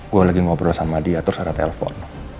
gue lagi ngobrol sama dia terus ada telepon